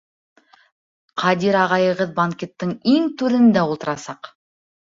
Ҡадир ағайығыҙ банкеттың иң түрендә ултырасаҡ!